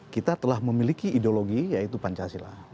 kita telah memiliki ideologi yaitu pancasila